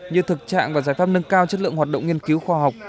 như thực trạng và giải pháp nâng cao chất lượng hoạt động nghiên cứu khoa học